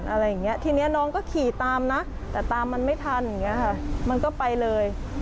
อะไรอย่างนี้ทีนี้น้องก็ขี่ตามนะแต่ตามมันไม่ทันอย่างนี้ค่ะมันก็ไปเลย